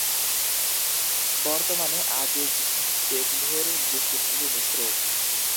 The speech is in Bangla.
বর্তমানে আজিজবেকভের দৃষ্টিভঙ্গি মিশ্র।